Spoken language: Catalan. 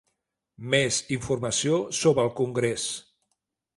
Més informació sobre el congrés.